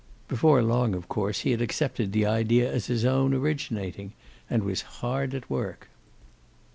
Before long, of course, he had accepted the idea as of his own originating, and was hard at work.